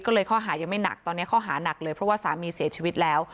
ก็เลยข้อหายังไม่หนักตอนนี้ข้อหานักเลยเพราะว่าสามีเสียชีวิตแล้ว